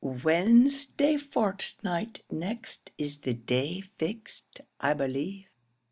"Wednesday fortnight next is the day fixed, I believe.